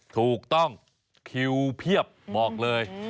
ถูกต้องคิวเพียบบอกเลย